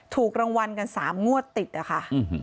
ถูกรางวัลกัน๓งวดติดอะค่ะ